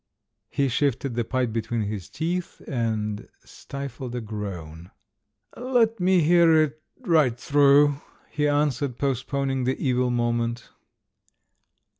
He shifted the pipe between his teeth, and stifled a groan. "Let me hear it right through," he answered, postponing the evil moment.